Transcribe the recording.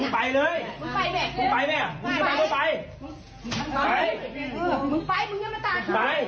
ไป